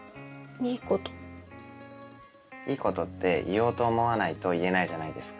いい事って言おうと思わないと言えないじゃないですか。